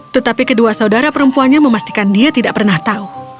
tetapi kedua saudara perempuannya memastikan dia tidak pernah tahu